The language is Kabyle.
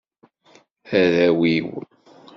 Arraw-iw.